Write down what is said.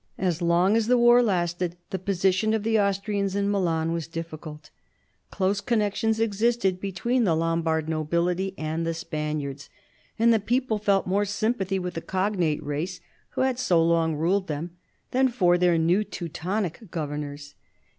As long as the war lasted, the position of the Austrians in Milan was difficult Close connections existed between the Lombard nobility and the Spaniards, and the people felt more sympathy with the cognate race, who had so long ruled them, than for their new Teutonic governors.